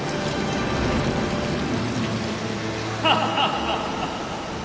ハハハハハ！